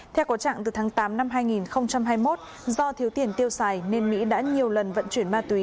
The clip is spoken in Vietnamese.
theo có trạng từ tháng tám năm hai nghìn hai mươi một do thiếu tiền tiêu xài nên mỹ đã nhiều lần vận chuyển ma túy